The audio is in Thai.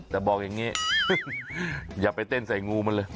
แต่บอกอย่างนี้อย่าไปเต้นใส่งูมันเลย